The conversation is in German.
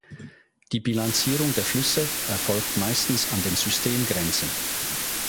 Die Bilanzierung der Flüsse erfolgt meistens an den Systemgrenzen.